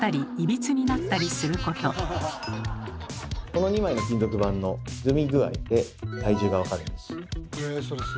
この２枚の金属板のひずみ具合で体重が分かるんです。